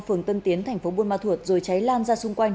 phường tân tiến thành phố buôn ma thuột rồi cháy lan ra xung quanh